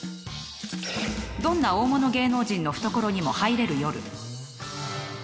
どんな大物芸能人の懐にも入れる夜。